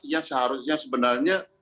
yang seharusnya sebenarnya